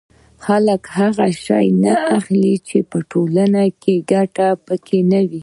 خلک هغه شی نه اخلي چې د ټولنې ګټه پکې نه وي